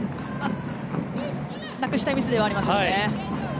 なくしたいミスではありますよね。